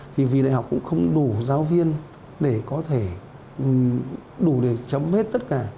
thì vì đại học cũng không đủ giáo viên để có thể đủ để chấm hết tất cả